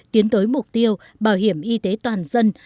tiến tới mục tiêu bảo hiểm y tế toàn dân